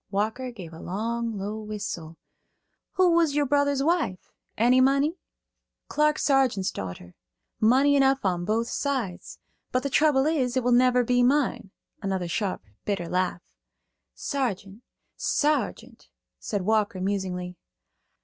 Walker gave a long, low whistle. "Who was your brother's wife? Any money?" "Clark Sargeant's daughter. Money enough on both sides; but the trouble is, it will never be mine." Another sharp, bitter laugh. "Sargeant, Sargeant," said Walker, musingly.